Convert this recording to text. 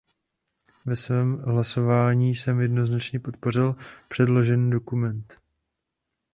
Ve svém hlasování jsem jednoznačně podpořil předložený dokument.